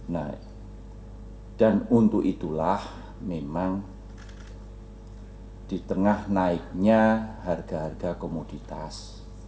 nah dan untuk itulah memang di tengah naiknya harga harga komoditas